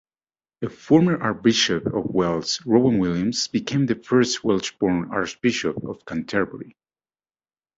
A former Archbishop of Wales, Rowan Williams, became the first Welsh-born Archbishop of Canterbury.